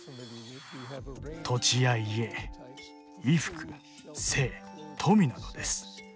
土地や家衣服性富などです。